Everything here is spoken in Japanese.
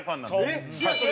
えっ！